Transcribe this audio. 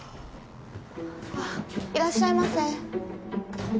・あっいらっしゃいませ。